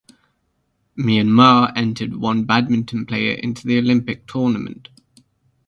Myanmar entered one badminton player into the Olympic tournament.